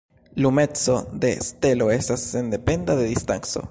Lumeco de stelo estas sendependa de distanco.